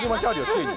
ついに。